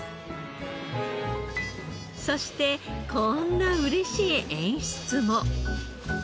そしてこんな嬉しい演出も。